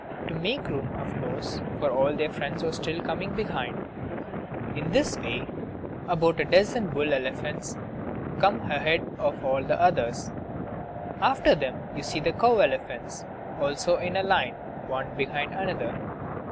To make room, of course, for all their friends who are still coming from behind. In this way about a dozen bull elephants come ahead of all the others. After them you see the cow elephants, also in a line, one behind another.